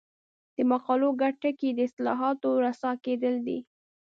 د مقالو ګډ ټکی د اصطلاحاتو رسا کېدل دي.